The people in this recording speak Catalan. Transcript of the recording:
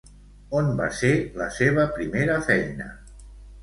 On va ser la seva primera feina?